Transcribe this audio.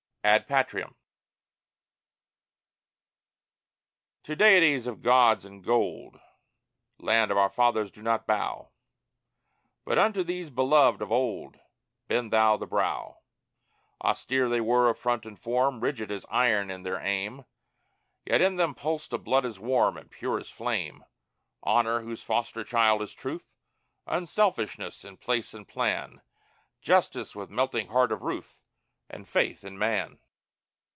AD PATRIAM To deities of gauds and gold, Land of our Fathers, do not bow! But unto those beloved of old Bend thou the brow! Austere they were of front and form; Rigid as iron in their aim; Yet in them pulsed a blood as warm And pure as flame; Honor, whose foster child is Truth; Unselfishness in place and plan; Justice, with melting heart of ruth; And Faith in man.